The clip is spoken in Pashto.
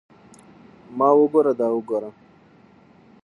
ما وګوره دا وګوره.